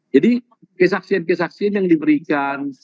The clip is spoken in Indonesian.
jadi kesaksian kesaksian yang diberikan